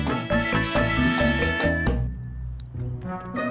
ya mak consideration ya